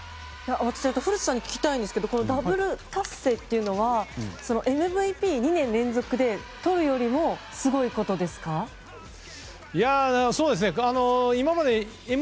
私、古田さんに聞きたいんですけどダブル達成というのはＭＶＰ２年連続でとるよりもすごいことですか？